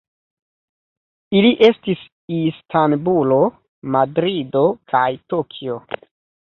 Ili estis Istanbulo, Madrido kaj Tokio.